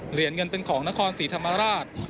เหรียญเงินเป็นของนครศรีธรรมราช